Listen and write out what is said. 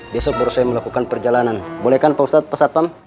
besok baru saya melakukan perjalanan boleh kan pak ustadz pak satpam